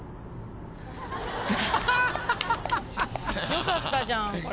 よかったじゃんこれ。